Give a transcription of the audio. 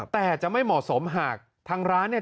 แต่จะไม่เหมาะสมหากทางร้านเนี่ย